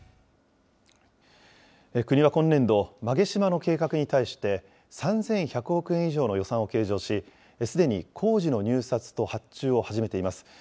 国は今年度、馬毛島の計画に対して、３１００億円以上の予算を計上し、すでに工事の入札と発注を始めています。